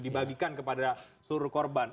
dibagikan kepada seluruh korban